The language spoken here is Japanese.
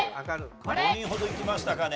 ５人ほどいきましたかね。